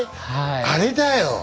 あれだよ！